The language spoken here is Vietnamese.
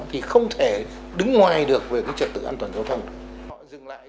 thì không thể đứng ngoài được về cái trật tự